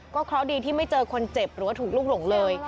เพราะดีที่ไม่เจอคนเจ็บหรือว่าถูกลูกหลงเลย